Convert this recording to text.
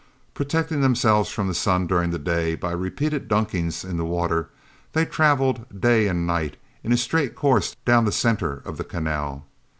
Protecting themselves from the sun during the day by repeated dunkings in the water, they traveled day and night in a straight course down the center of the canal.